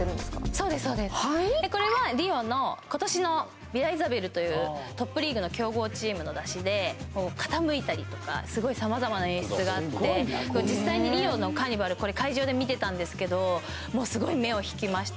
そうですそうですこれはリオの今年のＶｉｌａＩｓａｂｅｌというトップリーグの強豪チームの山車で傾いたりとかすごいさまざまな演出があって実際にリオのカーニバルこれ会場で見てたんですけどもうすごい目を引きました